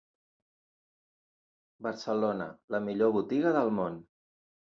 Barcelona, “la millor botiga del món”.